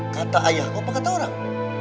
kata ayah kau apa kata orang